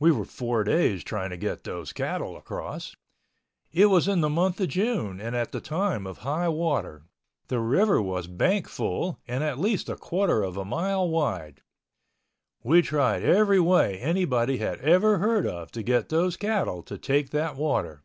We were four days trying to get those cattle across. It was in the month of June and at the time of high water—the river was bank full and at least a quarter of a mile wide. We tried every way anybody had ever heard of to get those cattle to take that water.